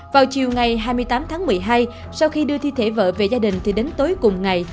vào chiều ngày hai mươi tám tháng một mươi hai sau khi đưa thi thể vợ về gia đình thì đến tối cùng ngày